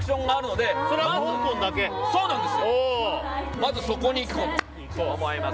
まずそこに行こうと思います。